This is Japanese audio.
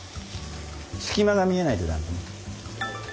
隙間が見えないと駄目。